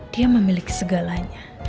dia memiliki segalanya